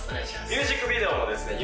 ミュージックビデオもですね